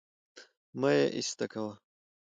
مه يې ايسته کوه